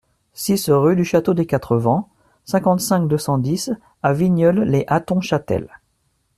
six rue du Château des Quatre Vents, cinquante-cinq, deux cent dix à Vigneulles-lès-Hattonchâtel